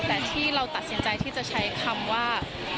แต่ที่เราตัดสินใจที่จะใช้คำว่า